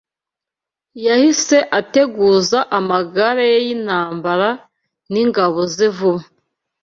Yahise ateguza amagare ye y’intambara n’ingabo ze vuba